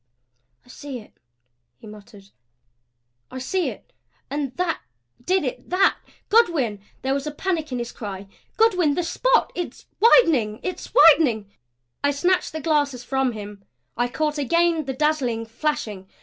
"I see it!" he muttered. "I see it! And THAT did it that! Goodwin!" There was panic in his cry. "Goodwin! The spot! it's widening! It's widening!" I snatched the glasses from him. I caught again the dazzling flashing.